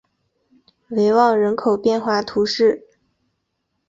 维旺人口变化图示